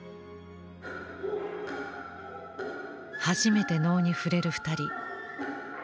初めて能に触れる２人。